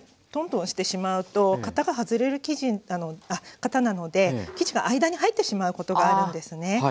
トントンしてしまうと型が外れる型なので生地が間に入ってしまうことがあるんですね。